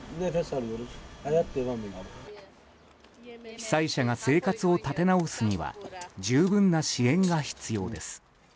被災者が生活を立て直すには十分な支援が必要です。